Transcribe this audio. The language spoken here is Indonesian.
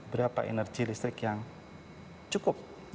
berapa energi listrik yang cukup